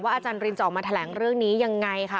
อาจารย์รินจะออกมาแถลงเรื่องนี้ยังไงค่ะ